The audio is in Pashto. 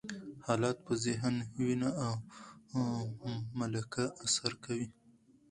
حالات په ذهن، وینه او ملکه اثر کوي.